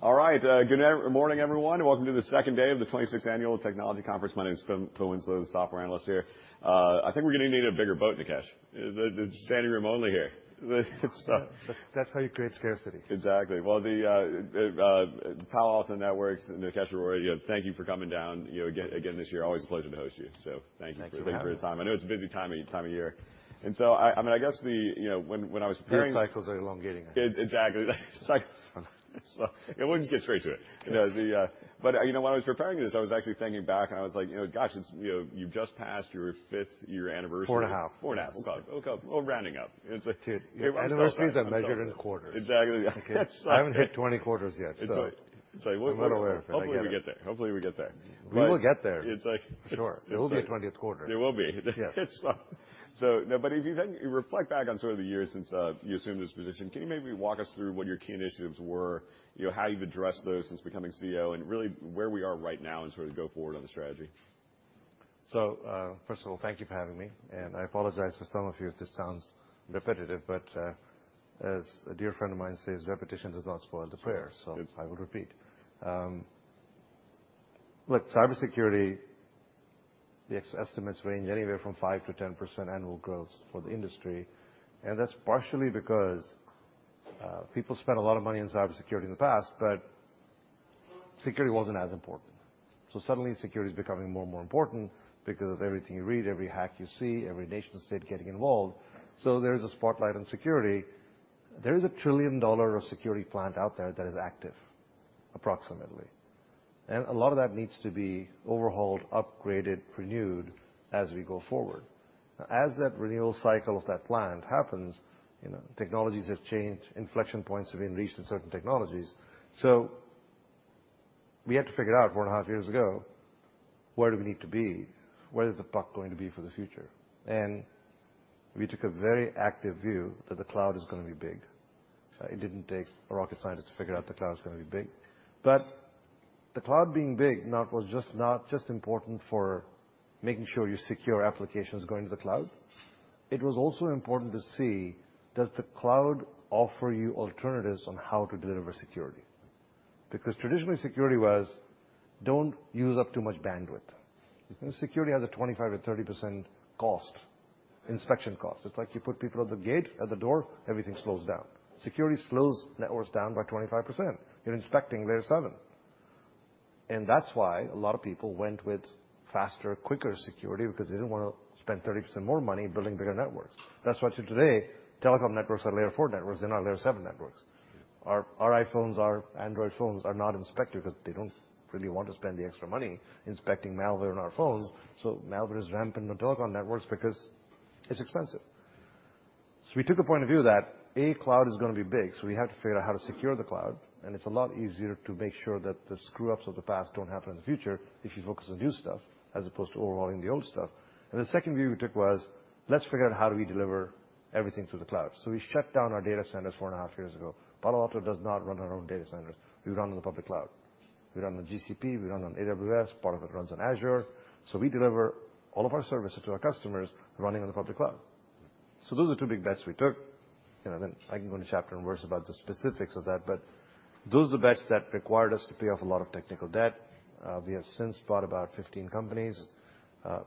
All right. Good morning, everyone, and welcome to the 26th annual Technology Conference. My name is Phil, Philip Winslow, the software analyst here. I think we're gonna need a bigger boat, Nikesh. It's standing room only here. That's how you create scarcity. Exactly. Well, the Palo Alto Networks, Nikesh Arora, thank you for coming down, you know, again this year. Always a pleasure to host you. Thank you. Thank you for having me. Thank you for your time. I know it's a busy time of year. I mean, I guess the... You know, when I was preparing. The cycles are elongating. Exactly. Cycles. We'll just get straight to it. You know, when I was preparing for this, I was actually thinking back, and I was like, you know, gosh, it's, you know, you've just passed your fifth year anniversary. Four and a half. Four and a half. Okay. Okay. Well, rounding up. It's like- Anniversaries are measured in quarters. Exactly. I haven't hit 20 quarters yet, so. It's like. I'm well aware of that. I get it. Hopefully we get there. Hopefully we get there. We will get there. It's like- Sure. There will be a 20th quarter. There will be. Yes. Now, if you then reflect back on sort of the years since you assumed this position, can you maybe walk us through what your key initiatives were, you know, how you've addressed those since becoming CEO, and really where we are right now and sort of go forward on the strategy? First of all, thank you for having me, and I apologize to some of you if this sounds repetitive, but, as a dear friend of mine says, "Repetition does not spoil the prayer. Good. I will repeat. Look, cybersecurity, the estimates range anywhere from 5%-10% annual growth for the industry, and that's partially because people spent a lot of money in cybersecurity in the past, but security wasn't as important. Suddenly security is becoming more and more important because of everything you read, every hack you see, every nation-state getting involved. There's a spotlight on security. There is a $1 trillion of security plant out there that is active, approximately, and a lot of that needs to be overhauled, upgraded, renewed as we go forward. As that renewal cycle of that plant happens, you know, technologies have changed. Inflection points have been reached in certain technologies. We had to figure out 4.5 years ago, where do we need to be? Where is the puck going to be for the future? We took a very active view that the cloud is gonna be big. It didn't take a rocket scientist to figure out the cloud is gonna be big. The cloud being big was not just important for making sure you secure applications going to the cloud. It was also important to see does the cloud offer you alternatives on how to deliver security? Traditionally security was, don't use up too much bandwidth. Security has a 25%-30% cost, inspection cost. It's like you put people at the gate, at the door, everything slows down. Security slows networks down by 25%. You're inspecting Layer 7. That's why a lot of people went with faster, quicker security because they didn't wanna spend 30% more money building bigger networks. That's why today, telecom networks are Layer 4 networks, they're not Layer 7 networks. Our iPhones, our Android phones are not inspected because they don't really want to spend the extra money inspecting malware on our phones. Malware is rampant in the telecom networks because it's expensive. We took a point of view that, A, cloud is gonna be big, so we have to figure out how to secure the cloud, and it's a lot easier to make sure that the screw-ups of the past don't happen in the future if you focus on new stuff as opposed to overhauling the old stuff. The second view we took was, let's figure out how do we deliver everything through the cloud. We shut down our data centers four and a half years ago. Palo Alto does not run our own data centers. We run on the public cloud. We run on GCP, we run on AWS, part of it runs on Azure. We deliver all of our services to our customers running on the public cloud. Those are the two big bets we took. You know, then I can go into chapter and verse about the specifics of that, but those are the bets that required us to pay off a lot of technical debt. We have since bought about 15 companies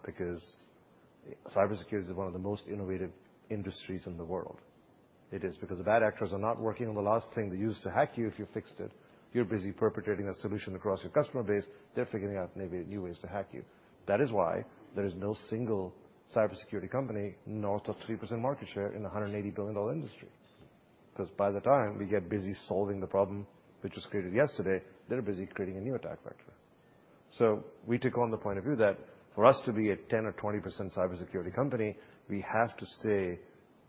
because cybersecurity is one of the most innovative industries in the world. It is because the bad actors are not working on the last thing they used to hack you if you fixed it. You're busy perpetrating a solution across your customer base, they're figuring out maybe new ways to hack you. That is why there is no single cybersecurity company north of 3% market share in a $180 billion industry. Because by the time we get busy solving the problem which was created yesterday, they're busy creating a new attack vector. We took on the point of view that for us to be a 10% or 20% cybersecurity company, we have to stay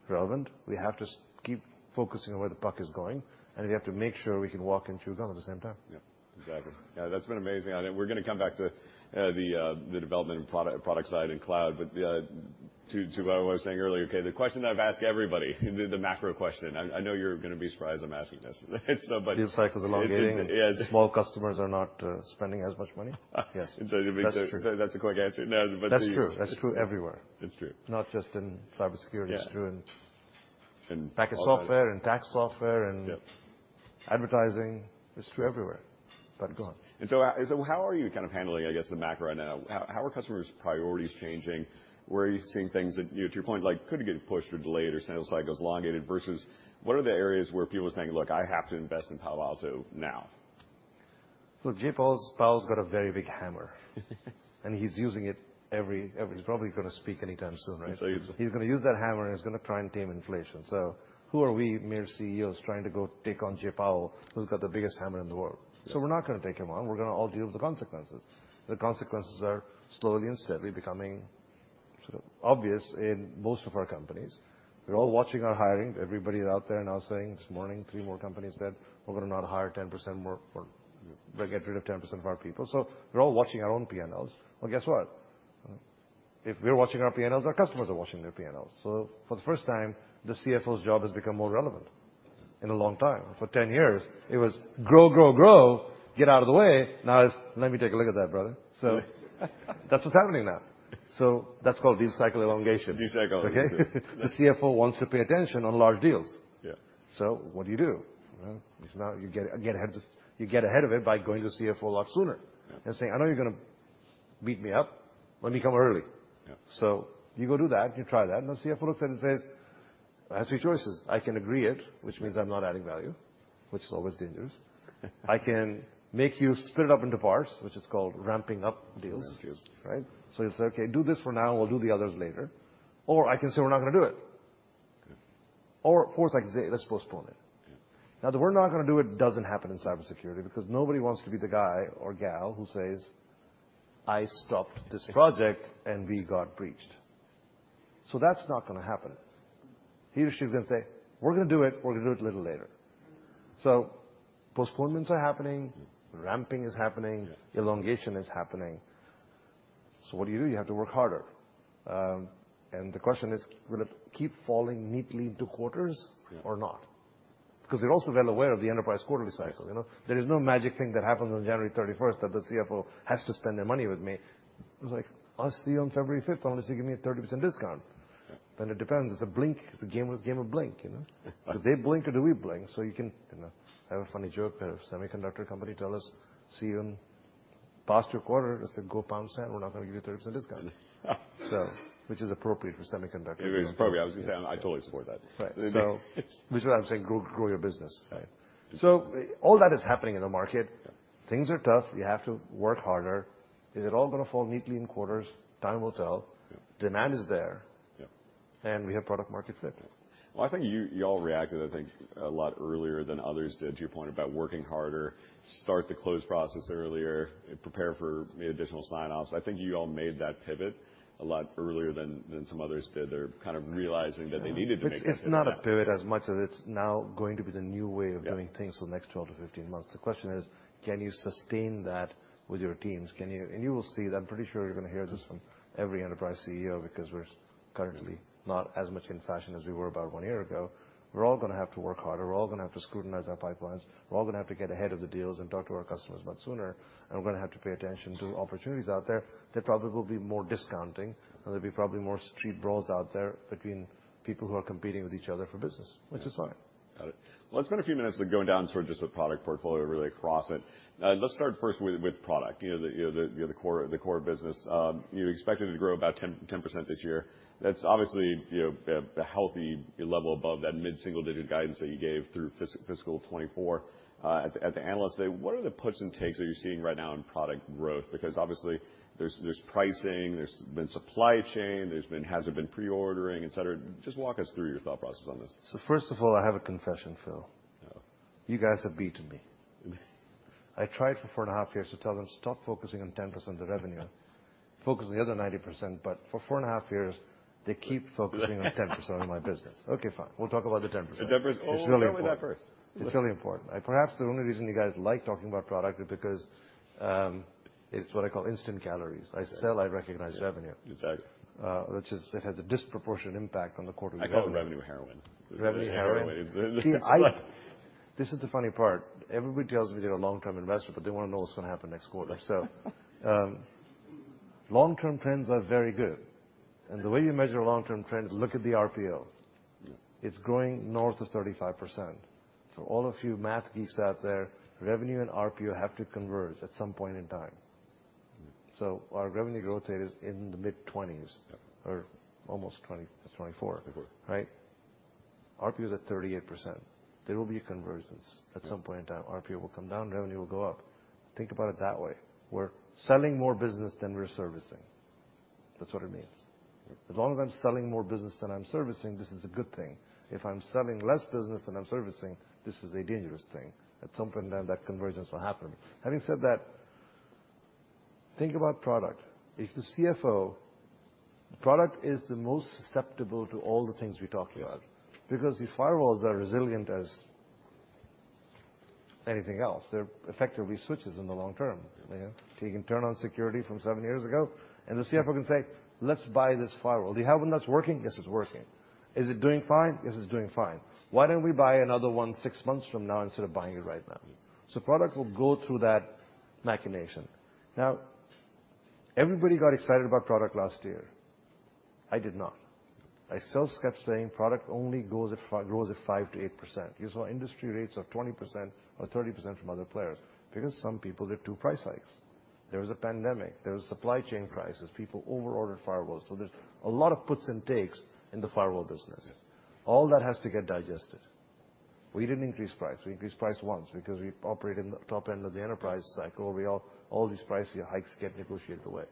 relevant, we have to keep focusing on where the puck is going, and we have to make sure we can walk and chew gum at the same time. Yeah. Exactly. Yeah, that's been amazing. I mean, we're gonna come back to the development and product side and cloud. To what I was saying earlier, okay, the question I've asked everybody, the macro question, I know you're gonna be surprised I'm asking this. Deal cycles are elongating. Yes. Small customers are not spending as much money. Yes. That's true. That's a quick answer. No, but. That's true. That's true everywhere. It's true. Not just in cybersecurity. Yeah. It's true. In- ...packet software and tax software. Yeah. -advertising. It's true everywhere. Go on. How are you kind of handling, I guess, the macro right now? How are customers' priorities changing? Where are you seeing things that, you know, to your point, like could get pushed or delayed or sales cycles elongated versus what are the areas where people are saying, "Look, I have to invest in Palo Alto now? Jerome Powell's got a very big hammer. He's using it every. He's probably gonna speak anytime soon, right? Exactly. He's gonna use that hammer, and he's gonna try and tame inflation. Who are we, mere CEOs, trying to go take on Jerome Powell, who's got the biggest hammer in the world? Yeah. We're not gonna take him on. We're gonna all deal with the consequences. The consequences are slowly and steadily becoming sort of obvious in most of our companies. We're all watching our hiring. Everybody out there announcing this morning, three more companies said, "We're gonna not hire 10% more or get rid of 10% of our people." We're all watching our own P&Ls. Well, guess what? If we're watching our P&Ls, our customers are watching their P&Ls. For the first time, the CFO's job has become more relevant in a long time. For 10 years, it was grow, get out of the way. Now it's let me take a look at that, brother. That's what's happening now. That's called deal cycle elongation. Deal cycle elongation. Okay. The CFO wants to pay attention on large deals. Yeah. What do you do? You know, it's now you get ahead of it by going to CFO a lot sooner. Yeah. Say, "I know you're gonna beat me up, let me come early. Yeah. You go do that, you try that, the CFO looks at it and says, "I have three choices. I can agree it, which means I'm not adding value, which is always dangerous." "I can make you split it up into parts," which is called ramping up deals. Ramp deals. Right? He'll say, "Okay, do this for now, we'll do the others later." I can say, "We're not gonna do it. Yeah. Fourth, I can say, "Let's postpone it. Yeah. It doesn't happen in cybersecurity because nobody wants to be the guy or gal who says, "I stopped this project and we got breached." That's not gonna happen. He or she is gonna say, "We're gonna do it. We're gonna do it a little later." Postponements are happening, ramping is happening. Yeah. elongation is happening. What do you do? You have to work harder. The question is, will it keep falling neatly into quarters or not? Yeah. They're also well aware of the enterprise quarterly cycle, you know? There is no magic thing that happens on January 31st that the CFO has to spend their money with me. It's like, "I'll see you on February 5th, unless you give me a 30% discount. Yeah. It depends. It's a game of blink, you know? Do they blink or do we blink? You can, you know, have a funny joke. A semiconductor company tell us, "See you in past your quarter." Just say, "Go pound sand. We're not gonna give you a 30% discount." Which is appropriate for semiconductor. It is appropriate. I was gonna say, I totally support that. Right. This is why I'm saying grow your business. Right. All that is happening in the market. Yeah. Things are tough. You have to work harder. Is it all gonna fall neatly in quarters? Time will tell. Yeah. Demand is there. Yeah. We have product market fit. Well, I think you all reacted, I think, a lot earlier than others did to your point about working harder, start the close process earlier, prepare for maybe additional sign offs. I think you all made that pivot a lot earlier than some others did. They're kind of realizing that they needed to make that pivot. It's not a pivot as much as it's now going to be the new way of doing things. Yeah. for the next 12-15 months. The question is, can you sustain that with your teams? Can you. You will see that. I'm pretty sure you're gonna hear this from every enterprise CEO, because we're currently not as much in fashion as we were about one year ago. We're all gonna have to work harder. We're all gonna have to scrutinize our pipelines. We're all gonna have to get ahead of the deals and talk to our customers much sooner, and we're gonna have to pay attention to opportunities out there. There probably will be more discounting, and there'll be probably more street brawls out there between people who are competing with each other for business. Yeah. Which is fine. Got it. Well, let's spend a few minutes going down sort of just the product portfolio really across it. Let's start first with product. You know, the core business. You expected it to grow about 10% this year. That's obviously, you know, a healthy level above that mid-single digit guidance that you gave through fiscal 2024. At the Analyst Day, what are the puts and takes that you're seeing right now in product growth? Because obviously, there's pricing, there's been supply chain, there's been... hasn't been pre-ordering, et cetera. Just walk us through your thought process on this. First of all, I have a confession, Phil. Yeah. You guys have beaten me. I tried for four and a half years to tell them, stop focusing on 10% of revenue. Focus on the other 90%. For four and a half years, they keep focusing on 10% of my business. Okay, fine. We'll talk about the 10%. The 10%. Oh, start with that first. It's really important. Perhaps the only reason you guys like talking about product is because it's what I call instant calories. Yeah. I sell, I recognize revenue. Exactly. which is, it has a disproportionate impact on the quarter. I call it revenue heroin. Revenue heroin. It really is. See, this is the funny part. Everybody tells me they're a long-term investor, but they wanna know what's gonna happen next quarter. Long-term trends are very good. The way you measure long-term trends, look at the RPO. Yeah. It's growing north of 35%. For all of you math geeks out there, revenue and RPO have to converge at some point in time. Mm-hmm. Our revenue growth rate is in the mid-twenties. Yeah. Almost 20. It's 24. Twenty-four. Right? RPO is at 38%. There will be a convergence at some point in time. RPO will come down, revenue will go up. Think about it that way. We're selling more business than we're servicing. That's what it means. Yeah. As long as I'm selling more business than I'm servicing, this is a good thing. If I'm selling less business than I'm servicing, this is a dangerous thing. At some point in time, that convergence will happen. Having said that, think about product. If the CFO... Product is the most susceptible to all the things we talked about. Yes. These firewalls are resilient as anything else. They're effectively switches in the long term. You know? You can turn on security from seven years ago, and the CFO can say, "Let's buy this firewall." "Do you have one that's working?" "Yes, it's working." "Is it doing fine?" "Yes, it's doing fine." "Why don't we buy another one six months from now instead of buying it right now?" Product will go through that machination. Now, everybody got excited about product last year. I did not. I self-skept saying product only grows at 5%-8%. You saw industry rates of 20% or 30% from other players because some people did two price hikes. There was a pandemic, there was supply chain crisis, people over-ordered firewalls, there's a lot of puts and takes in the firewall business. Yes. All that has to get digested. We didn't increase price. We increased price once because we operate in the top end of the enterprise cycle. All these pricey hikes get negotiated away.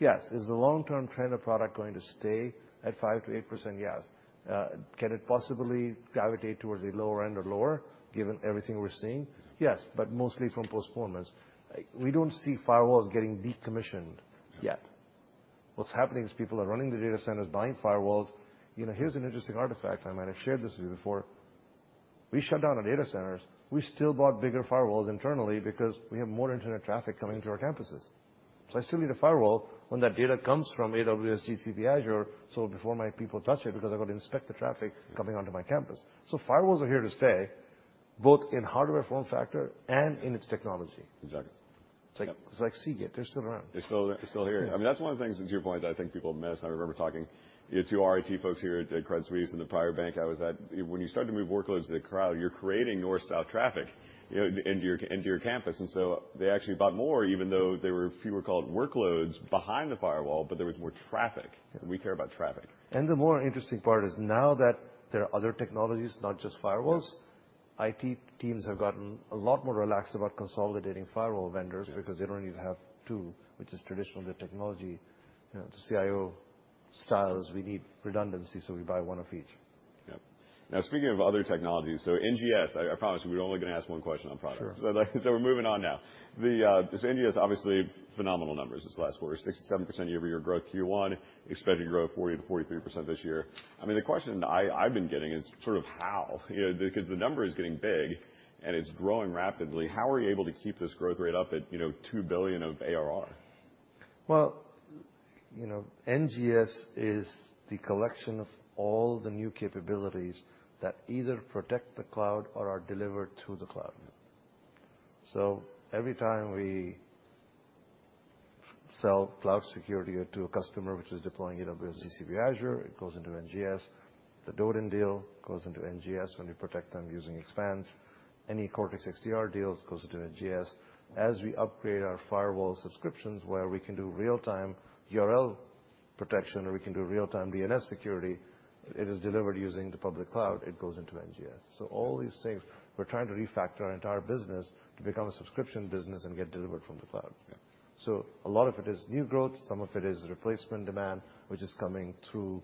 Yes. Is the long-term trend of product going to stay at 5%-8%? Yes. Can it possibly gravitate towards a lower end or lower, given everything we're seeing? Yes, but mostly from postponements. We don't see firewalls getting decommissioned yet. What's happening is people are running the data centers, buying firewalls. You know, here's an interesting artifact. I might have shared this with you before. We shut down our data centers. We still bought bigger firewalls internally because we have more internet traffic coming into our campuses. I still need a firewall when that data comes from AWS, GCP, Azure, so before my people touch it, because I've got to inspect the traffic coming onto my campus. Firewalls are here to stay. Both in hardware form factor and in its technology. Exactly. It's like Seagate. They're still around. They're still here. I mean, that's one of the things to your point that I think people miss. I remember talking to your two RIT folks here at Credit Suisse and the prior bank I was at. When you start to move workloads to the cloud, you're creating north-south traffic, you know, into your, into your campus. They actually bought more, even though there were fewer called workloads behind the firewall, but there was more traffic. Yeah. We care about traffic. The more interesting part is now that there are other technologies, not just firewalls... Yeah ...IT teams have gotten a lot more relaxed about consolidating firewall vendors. Yeah... because they don't need to have 2, which is traditional. The technology, you know, the CIO styles, we need redundancy, so we buy 1 of each. Yep. Now speaking of other technologies, NGS, I promise you we're only gonna ask 1 question on products. Sure. Like so we're moving on now. NGS obviously phenomenal numbers this last quarter, 67% year-over-year growth, Q1 expecting growth 40%-43% this year. I mean, the question I've been getting is sort of how, you know? Because the number is getting big and it's growing rapidly. How are you able to keep this growth rate up at, you know, $2 billion of ARR? Well, you know, NGS is the collection of all the new capabilities that either protect the cloud or are delivered through the cloud. Yeah. Every time we sell cloud security or to a customer which is deploying AWS, GCP, Azure, it goes into NGS. The Dotan deal goes into NGS. When we protect them using Expanse, any Cortex XDR deals goes into NGS. As we upgrade our firewall subscriptions where we can do real-time URL protection or we can do real-time DNS security, it is delivered using the public cloud, it goes into NGS. All these things, we're trying to refactor our entire business to become a subscription business and get delivered from the cloud. Yeah. A lot of it is new growth. Some of it is replacement demand, which is coming through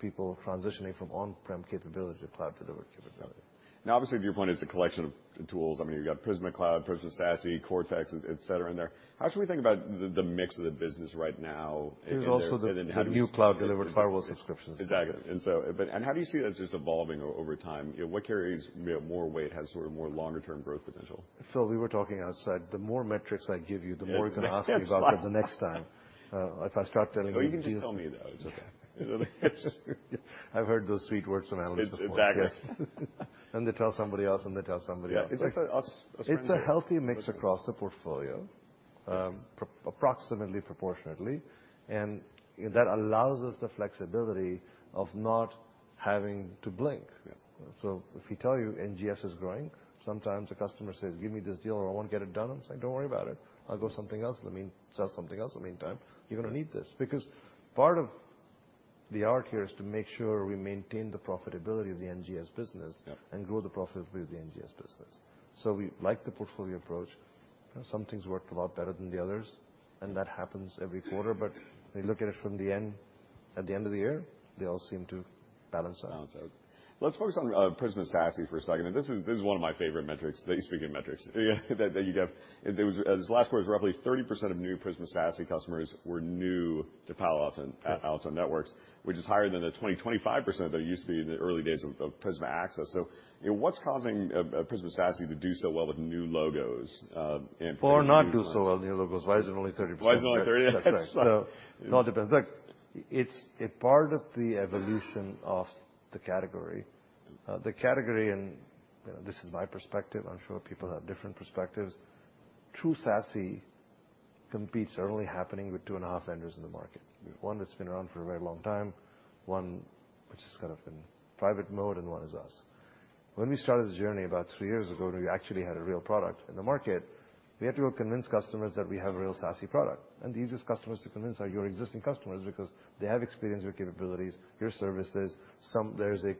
people transitioning from on-prem capability to cloud delivered capability. Got it. Obviously, to your point, it's a collection of tools. I mean, you've got Prisma Cloud, Prisma SASE, Cortex, et cetera in there. How should we think about the mix of the business right now and how do you see- There's also the new cloud delivered firewall subscriptions. Exactly. How do you see that just evolving over time? You know, what carries, you know, more weight, has sort of more longer term growth potential? Phil, we were talking outside. The more metrics I give you, the more you're gonna ask me about it the next time. If I start telling you. No, you can just tell me, though. It's okay. I've heard those sweet words from analysts before. Exactly. They tell somebody else, and they tell somebody else. Yeah. It's like us friends here. It's a healthy mix across the portfolio, approximately proportionately. That allows us the flexibility of not having to blink. Yeah. If we tell you NGS is growing, sometimes a customer says, "Give me this deal or I won't get it done." I'm saying, "Don't worry about it. I'll go something else. Let me sell something else in the meantime. Yeah. You're gonna need this." Because part of the art here is to make sure we maintain the profitability of the NGS business. Yeah Grow the profitability of the NGS business. We like the portfolio approach. You know, some things worked a lot better than the others, and that happens every quarter. When you look at it from the end, at the end of the year, they all seem to balance out. Balance out. Let's focus on Prisma SASE for a second. This is one of my favorite metrics, speaking of metrics. Yeah... that you give. This last quarter was roughly 30% of new Prisma SASE customers were new to Palo Alto, at Palo Alto Networks, which is higher than the 20%-25% that it used to be in the early days of Prisma Access. You know, what's causing Prisma SASE to do so well with new logos, and not do so well with new logos. Why is it only 30%? Why is it only 30? It's all depends. Look, it's a part of the evolution of the category. The category and, you know, this is my perspective, I'm sure people have different perspectives. True SASE competes are only happening with two and a half vendors in the market. One that's been around for a very long time, one which is kind of in private mode, and one is us. When we started this journey about 3 years ago, we actually had a real product in the market. We had to convince customers that we have a real SASE product, and the easiest customers to convince are your existing customers because they have experienced your capabilities, your services. There's a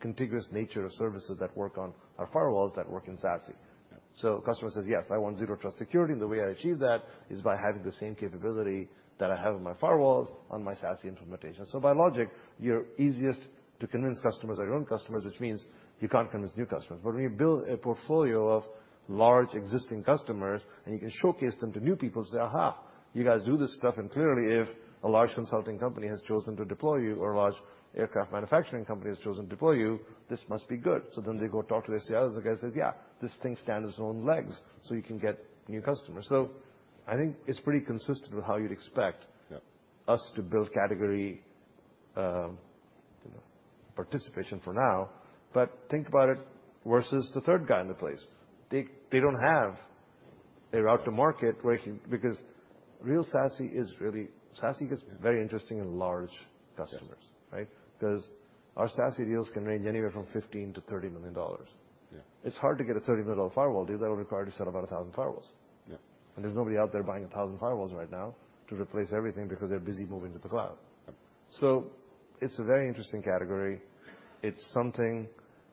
contiguous nature of services that work on our firewalls that work in SASE. Yeah. A customer says, "Yes, I want Zero Trust security, and the way I achieve that is by having the same capability that I have on my firewalls on my SASE implementation." By logic, your easiest to convince customers are your own customers, which means you can't convince new customers. When you build a portfolio of large existing customers and you can showcase them to new people and say, "Aha, you guys do this stuff. Clearly, if a large consulting company has chosen to deploy you, or a large aircraft manufacturing company has chosen to deploy you, this must be good." They go talk to their CLOs. The guy says, "Yeah, this thing stands on its own legs," you can get new customers. I think it's pretty consistent with how you'd expect. Yeah us to build category, you know, participation for now. Think about it versus the third guy in the place. They don't have a route to market where you... SASE gets very interesting in large customers. Yes. Right? Because our SASE deals can range anywhere from $15 million-$30 million. Yeah. It's hard to get a $30 million firewall deal that will require to sell about 1,000 firewalls. Yeah. there's nobody out there buying 1,000 firewalls right now to replace everything because they're busy moving to the cloud. Yep. It's a very interesting category. It's something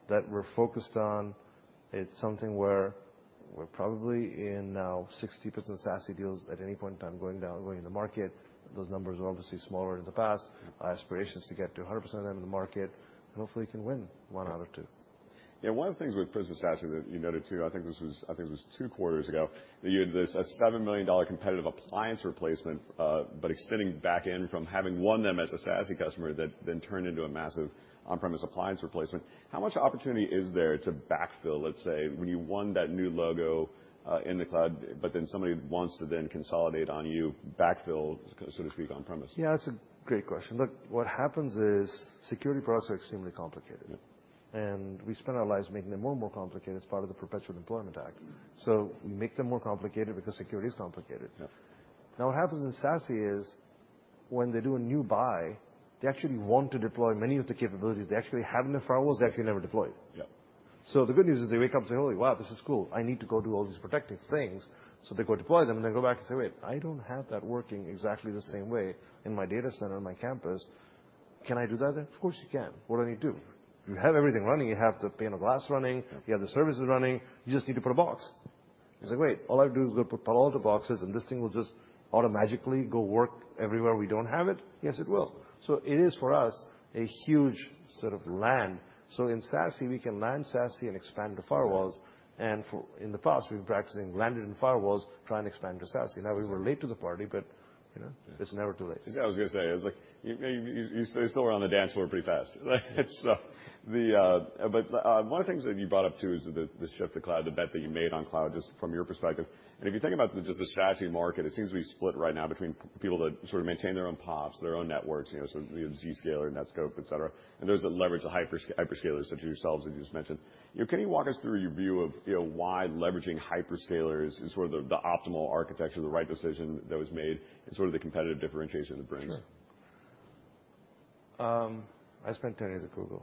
that we're focused on. It's something where we're probably in now 60% SASE deals at any point in time going down, going in the market. Those numbers were obviously smaller in the past. Our aspiration is to get to 100% of them in the market and hopefully can win one out of two. Yeah. One of the things with Prisma SASE that you noted too, I think this was 2 quarters ago, that you had this, a $7 million competitive appliance replacement, but extending back in from having won them as a SASE customer, that then turned into a massive on-premise appliance replacement. How much opportunity is there to backfill, let's say, when you won that new logo, in the cloud, but then somebody wants to then consolidate on you, backfill, so to speak, on premise? Yeah, it's a great question. Look, what happens is security products are extremely complicated. Yeah. We spend our lives making them more and more complicated. It's part of the Perpetual Employment Act. We make them more complicated because security is complicated. Yeah. What happens in SASE is when they do a new buy, they actually want to deploy many of the capabilities. They actually have enough firewalls, they actually never deployed. Yeah. The good news is they wake up and say, "Oh, wow, this is cool. I need to go do all these protective things." They go deploy them, and they go back and say, "Wait, I don't have that working exactly the same way in my data center on my campus. Can I do that then?" Of course, you can. What do I need to do? You have everything running. You have the pane of glass running. You have the services running. You just need to put a box. It's like, great. All I do is go put Palo Alto boxes, and this thing will just automatically go work everywhere we don't have it? Yes, it will. It is, for us, a huge sort of land. In SASE, we can land SASE and expand the firewalls. In the past, we've been practicing landing in firewalls, trying to expand to SASE. We were late to the party, but, you know, it's never too late. That's what I was gonna say. I was like, you still were on the dance floor pretty fast. It's the. One of the things that you brought up, too, is the shift to cloud, the bet that you made on cloud, just from your perspective. If you think about just the SASE market, it seems to be split right now between people that sort of maintain their own POPs, their own networks, you know, so Zscaler, Netskope, et cetera, and those that leverage the hyper-hyperscalers such as yourselves, as you just mentioned. You know, can you walk us through your view of, you know, why leveraging hyperscalers is sort of the optimal architecture, the right decision that was made, and sort of the competitive differentiation that it brings? Sure. I spent 10 years at Google.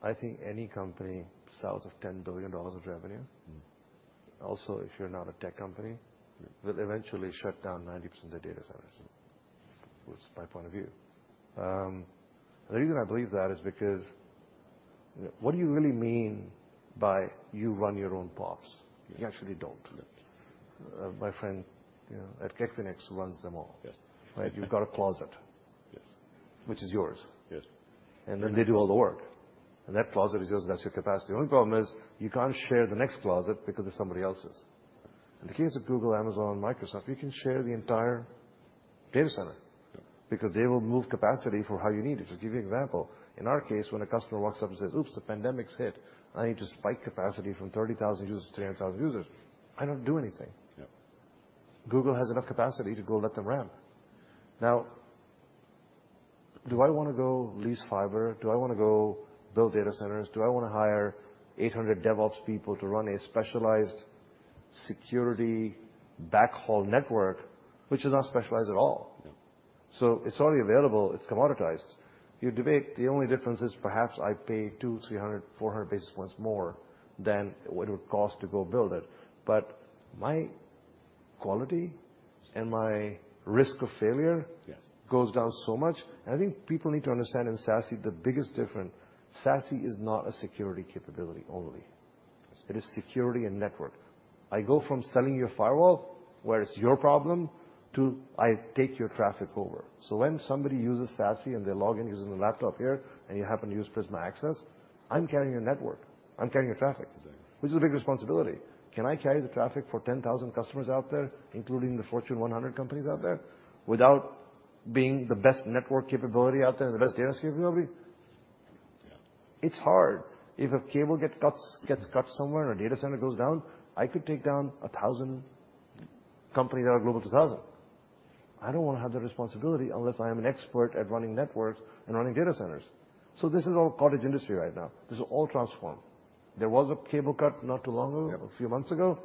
I think any company south of $10 billion of revenue- Mm-hmm. Also, if you're not a tech company, will eventually shut down 90% of their data centers. That's my point of view. The reason I believe that is because what do you really mean by you run your own POPs? You actually don't. No. My friend, you know, at Equinix runs them all. Yes. Right? You've got a closet. Yes. Which is yours. Yes. Then they do all the work. That closet is yours, that's your capacity. The only problem is you can't share the next closet because it's somebody else's. In the case of Google, Amazon, Microsoft, you can share the entire data center because they will move capacity for how you need it. To give you example, in our case, when a customer walks up and says, "Oops, the pandemic's hit. I need to spike capacity from 30,000 users to 100,000 users," I don't do anything. Yeah. Google has enough capacity to go let them ramp. Do I wanna go lease fiber? Do I wanna go build data centers? Do I wanna hire 800 DevOps people to run a specialized security backhaul network which is not specialized at all? No. It's already available, it's commoditized. You debate, the only difference is perhaps I pay 2, 300, 400 basis points more than what it would cost to go build it. My quality and my risk of failure... Yes. goes down so much. I think people need to understand in SASE the biggest difference, SASE is not a security capability only. It is security and network. I go from selling you a firewall where it's your problem to I take your traffic over. When somebody uses SASE and they log in using the laptop here, and you happen to use Prisma Access, I'm carrying your network, I'm carrying your traffic. Exactly. Which is a big responsibility. Can I carry the traffic for 10,000 customers out there, including the Fortune 100 companies out there, without being the best network capability out there and the best data security ability? Yeah. It's hard. If a cable gets cut somewhere and a data center goes down, I could take down a thousand companies that are Global 2000. I don't wanna have the responsibility unless I am an expert at running networks and running data centers. This is all cottage industry right now. This will all transform. There was a cable cut not too long ago. Yeah. A few months ago.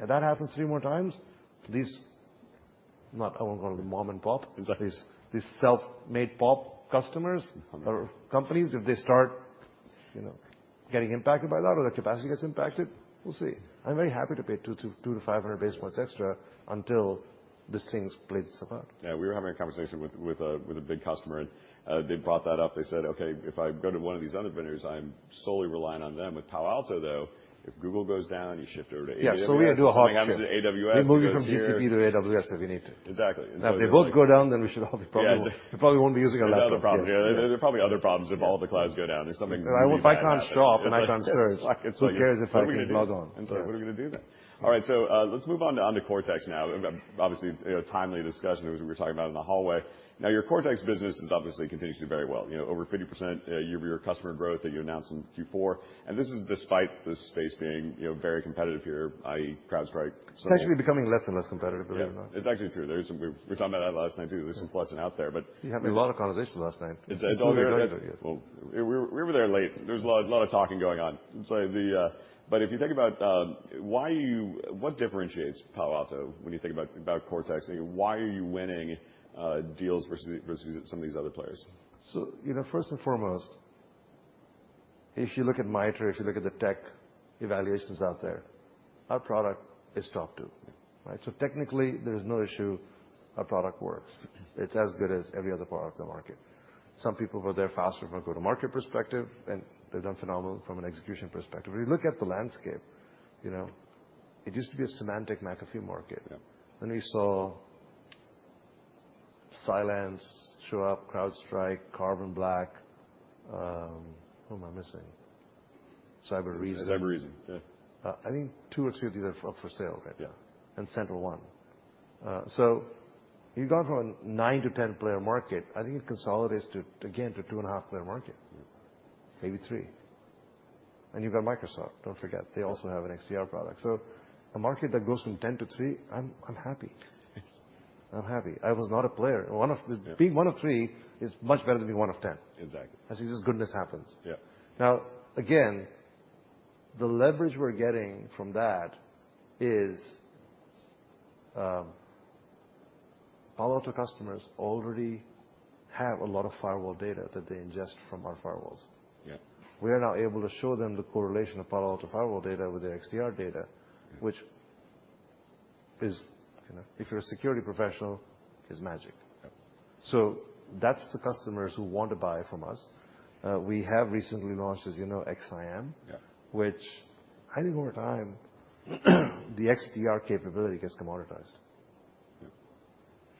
If that happens three more times, these, I won't call it the mom and pop. Exactly. These self-made POP customers or companies, if they start, you know, getting impacted by that or their capacity gets impacted, we'll see. I'm very happy to pay 2 to 500 basis points extra until this thing splits apart. Yeah. We were having a conversation with a, with a big customer, and they brought that up. They said, "Okay, if I go to one of these other vendors, I'm solely relying on them. With Palo Alto, though, if Google goes down, you shift over to AWS. Yeah. We do a hot shift. Something happens to AWS, it goes here. We move you from GCP to AWS if we need to. Exactly. If they both go down, then we should all have a problem. Yeah. We probably won't be using our laptop. Yes. There's other problems. There are probably other problems if all the clouds go down. There's something really bad happening. If I can't shop and I can't search, who cares if I can log on? What are we gonna do? I'm sorry. What are we gonna do then? All right. Let's move on to Cortex now. Obviously, you know, a timely discussion as we were talking about in the hallway. Now, your Cortex business is obviously continues to do very well. You know, over 50% year customer growth that you announced in Q4. This is despite this space being, you know, very competitive here, i.e. CrowdStrike, so on. It's actually becoming less and less competitive, believe it or not. Yeah. It's actually true. There is some... We were talking about that last night, too. There's some pleasant out there, but- We had a lot of conversations last night. It's all good. Very, very good. Well, we were there late. There was a lot of talking going on. If you think about What differentiates Palo Alto when you think about Cortex? Why are you winning deals versus some of these other players? You know, first and foremost, if you look at MITRE, if you look at the tech evaluations out there, our product is top two, right? Technically, there is no issue. Our product works. It's as good as every other product in the market. Some people were there faster from a go-to-market perspective, and they've done phenomenal from an execution perspective. If you look at the landscape, you know, it used to be a Symantec, McAfee market. Yeah. We saw Cylance show up, CrowdStrike, Carbon Black. Who am I missing? Cybereason. Cybereason. Yeah. I think two or three of these are for sale right now. Yeah. SentinelOne. you've gone from a 9-10-player market. I think it consolidates to, again, to 2.5 player market. Mm-hmm. Maybe three. You've got Microsoft, don't forget. They also have an XDR product. A market that goes from ten to three, I'm happy. I was not a player. Yeah. Being one of 3 is much better than being one of 10. Exactly. I see this goodness happens. Yeah. Now, again, the leverage we're getting from that is, Palo Alto customers already have a lot of firewall data that they ingest from our firewalls. Yeah. We are now able to show them the correlation of Palo Alto firewall data with the XDR data, which is, you know, if you're a security professional, is magic. Yeah. That's the customers who want to buy from us. We have recently launched, as you know, XSIAM. Yeah. Which I think over time, the XDR capability gets commoditized. Yeah.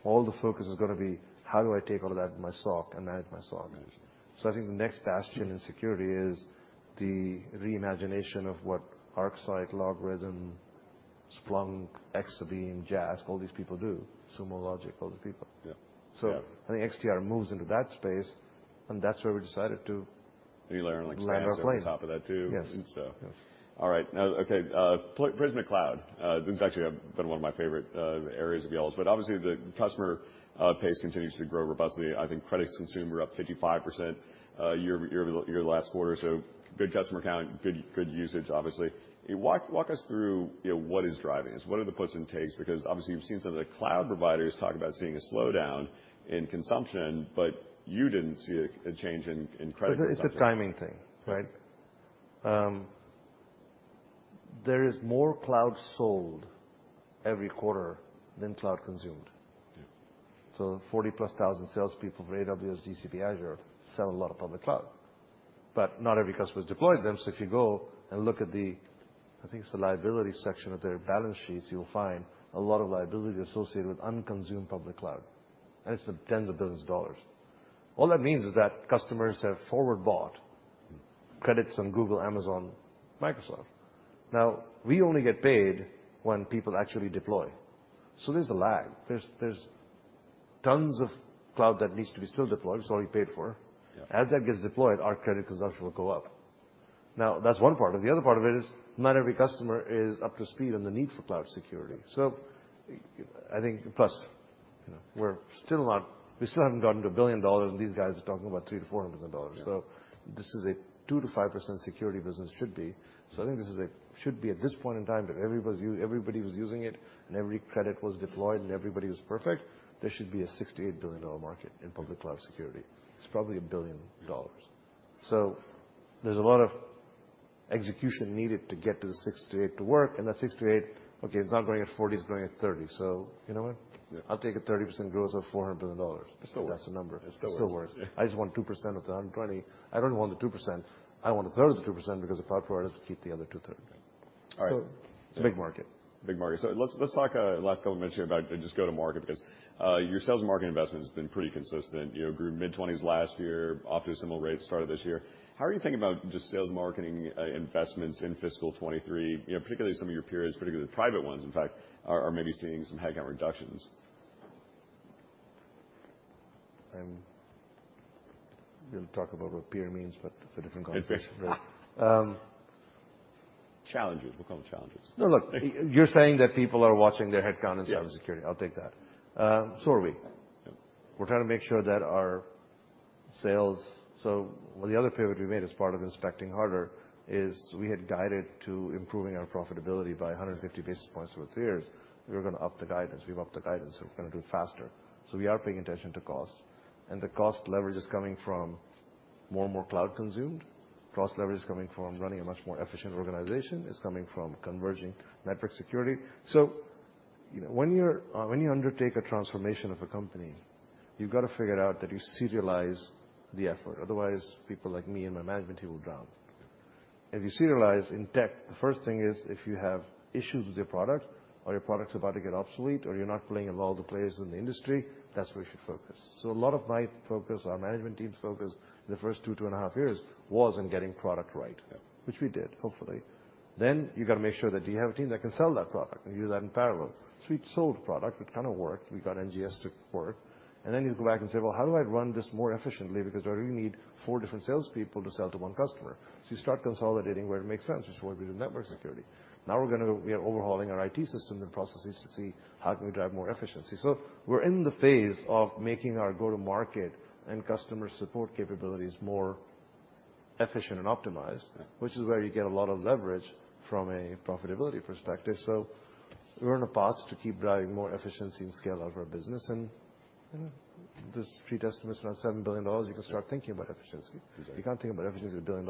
All the focus is gonna be how do I take all of that in my SOC and manage my SOC? Manage. I think the next bastion in security is the re-imagination of what ArcSight, LogRhythm, Splunk, Exabeam, JASK all these people do. Sumo Logic, all the people. Yeah. Yeah. I think XDR moves into that space, and that's where we decided. you layer on like SIEM. Layer our play. ...on top of that too. Yes. Yes. All right. Now, okay, Prisma Cloud, this is actually have been one of my favorite areas of yours. Obviously, the customer pace continues to grow robustly. I think credits consumed were up 55% year-over-year last quarter. Good customer count, good usage, obviously. Walk us through, you know, what is driving this. What are the puts and takes? Obviously, we've seen some of the cloud providers talk about seeing a slowdown in consumption, but you didn't see a change in credit consumption. It's a timing thing, right? There is more cloud sold every quarter than cloud consumed. Yeah. 40-plus thousand salespeople for AWS, GCP, Azure sell a lot of public cloud. Not every customer is deploying them. If you go and look at the, I think it's the liability section of their balance sheets, you'll find a lot of liability associated with unconsumed public cloud. It's for tens of billions of dollars. All that means is that customers have forward bought credits on Google, Amazon, Microsoft. We only get paid when people actually deploy. There's a lag. There's tons of cloud that needs to be still deployed. It's already paid for. Yeah. As that gets deployed, our credit consumption will go up. That's one part. The other part of it is not every customer is up to speed on the need for cloud security. I think, plus, you know, we still haven't gotten to $1 billion, and these guys are talking about $300 million-$400 million. Yeah. This is a 2%-5% security business should be. I think this is a Should be at this point in time that everybody was using it, and every credit was deployed, and everybody was perfect, there should be a $68 billion market in public cloud security. It's probably $1 billion. There's a lot of execution needed to get to the $6 billion-$8 billion to work. That $6 billion-$8 billion, okay, it's not growing at 40%, it's growing at 30%. You know what? Yeah. I'll take a 30% growth of $400 billion. It still works. That's the number. It still works. It still works. I just want 2% of the 120. I don't want the 2%. I want a third of the 2% because the cloud provider has to keep the other two-thirds. All right. It's a big market. Big market. Let's talk, last couple minutes here about just go-to-market because your sales and marketing investment has been pretty consistent. You know, grew mid-20s last year, off to a similar rate start of this year. How are you thinking about just sales and marketing, investments in fiscal 2023? You know, particularly some of your peers, particularly the private ones in fact, are maybe seeing some headcount reductions. We'll talk about what peer means, but it's a different conversation. It's different. Challenges. We'll call them challenges. No, look, you're saying that people are watching their headcount in cybersecurity. Yes. I'll take that. Are we. Yeah. We're trying to make sure that our sales... The other pivot we made as part of inspecting harder is we had guided to improving our profitability by 150 basis points over 3 years. We were gonna up the guidance. We've upped the guidance, we're gonna do it faster. We are paying attention to cost, and the cost leverage is coming from more and more cloud consumed. Cost leverage is coming from running a much more efficient organization. It's coming from converging network security. You know, when you're, when you undertake a transformation of a company, you've got to figure it out that you serialize the effort. Otherwise, people like me and my management team will drown. If you serialize in tech, the first thing is if you have issues with your product or your product's about to get obsolete or you're not playing among all the players in the industry, that's where you should focus. A lot of my focus, our management team's focus in the first 2.5 years was in getting product right. Yeah. Which we did, hopefully. You gotta make sure that you have a team that can sell that product, and you do that in parallel. Suite sold product. It kind of worked. We got NGS to work. You go back and say, "Well, how do I run this more efficiently because I really need four different salespeople to sell to one customer?" You start consolidating where it makes sense, which is why we did network security. We are overhauling our IT system and processes to see how can we drive more efficiency. We're in the phase of making our go-to-market and customer support capabilities more efficient and optimized. Yeah. Which is where you get a lot of leverage from a profitability perspective. We're on a path to keep driving more efficiency and scale out of our business. You know, the street estimate's around $7 billion. You can start thinking about efficiency. Exactly. You can't think about efficiency at $1 billion.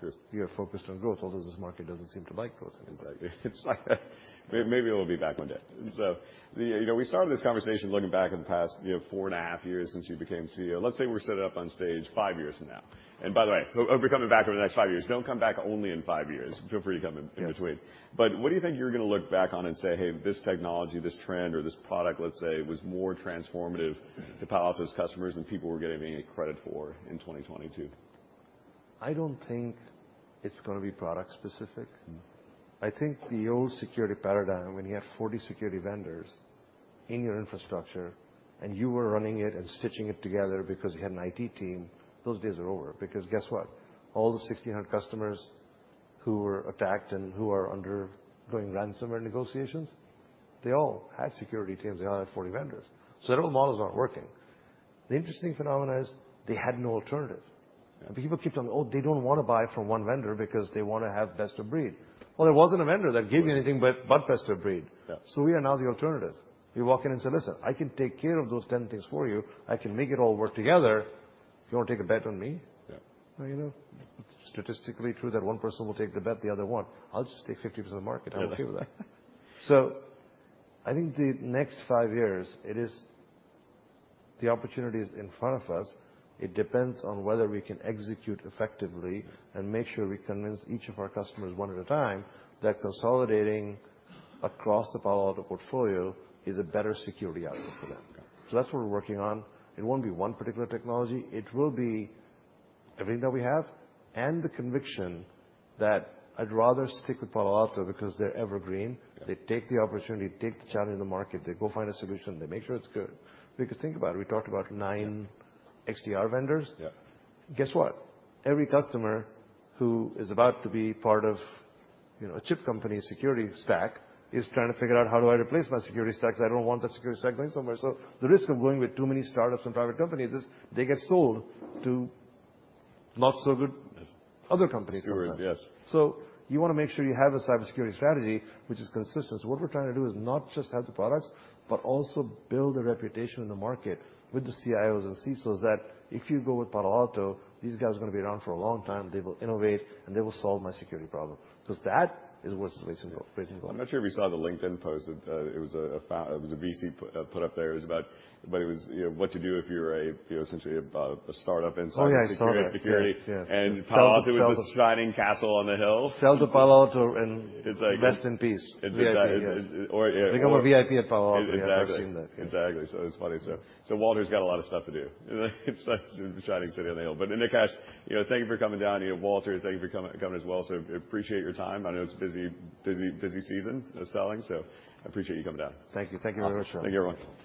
True. You're focused on growth, although this market doesn't seem to like growth anymore. Exactly. It's like maybe it'll be back one day. Yeah. You know, we started this conversation looking back in the past, you know, four and a half years since you became CEO. Let's say we're set up on stage 5 years from now. By the way, hope we're coming back over the next 5 years. Don't come back only in 5 years. Feel free to come in between. Yes. What do you think you're gonna look back on and say, "Hey, this technology, this trend, or this product, let's say, was more transformative to Palo Alto's customers than people were giving it credit for in 2022? I don't think it's gonna be product specific. Mm-hmm. I think the old security paradigm, when you have 40 security vendors in your infrastructure, and you were running it and stitching it together because you had an IT team, those days are over. Guess what? All the 1,600 customers-Who were attacked and who are undergoing ransomware negotiations, they all had security teams. They all had 40 vendors. Their old models aren't working. The interesting phenomena is they had no alternative. Yeah. People keep telling me, "Oh, they don't wanna buy from one vendor because they wanna have best of breed." There wasn't a vendor that gave you anything but best of breed. Yeah. We are now the alternative. We walk in and say, "Listen, I can take care of those 10 things for you. I can make it all work together. You wanna take a bet on me? Yeah. You know, statistically true that one person will take the bet, the other won't. I'll just take 50% of the market. I'm okay with that. I think the next five years. The opportunity is in front of us. It depends on whether we can execute effectively and make sure we convince each of our customers one at a time that consolidating across the Palo Alto portfolio is a better security outcome for them. Yeah. That's what we're working on. It won't be one particular technology, it will be everything that we have and the conviction that I'd rather stick with Palo Alto because they're evergreen. Yeah. They take the opportunity, take the challenge in the market, they go find a solution, they make sure it's good. Think about it, we talked about nine XDR vendors. Yeah. Guess what? Every customer who is about to be part of, you know, a chip company's security stack is trying to figure out, how do I replace my security stack 'cause I don't want that security stack going somewhere. The risk of going with too many startups and private companies is they get sold to not so good other companies sometimes. Suitors, yes. You wanna make sure you have a cybersecurity strategy which is consistent. What we're trying to do is not just have the products, but also build a reputation in the market with the CIOs and CSOs that if you go with Palo Alto, these guys are gonna be around for a long time. They will innovate and they will solve my security problem. 'Cause that is what makes it go, makes it go. I'm not sure if you saw the LinkedIn post. It was a VC put up there. It was about. It was, you know, what to do if you're a, you know, essentially a startup in cybersecurity. Oh yeah, I saw that. Yes, yes. Palo Alto is this shining castle on the hill. Sell to Palo Alto. It's like. rest in peace. It's like- VIP, yes. Yeah. Become a VIP at Palo Alto. Exactly. Yes, I've seen that. Exactly. It's funny as hell. Walter's got a lot of stuff to do. It's like the shining city on the hill. Nikesh, you know, thank you for coming down here. Walter, thank you for coming as well. Appreciate your time. I know it's a busy season of selling, so I appreciate you coming down. Thank you. Thank you very much. Awesome. Thank you, everyone.